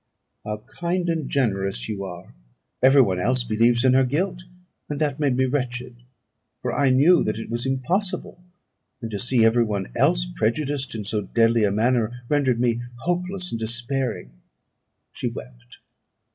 "How kind and generous you are! every one else believes in her guilt, and that made me wretched, for I knew that it was impossible: and to see every one else prejudiced in so deadly a manner rendered me hopeless and despairing." She wept.